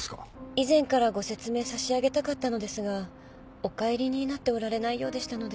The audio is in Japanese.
以前からご説明さしあげたかったのですがお帰りになっておられないようでしたので。